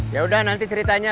yaudah nanti ceritanya